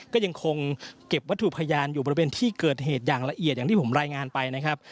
ก็ยังคงเก็บวัตถุพยานอยู่บริเวณที่เกิดเหตุอย่างละเอียดอย่างที่ผมรายงานไปนะครับ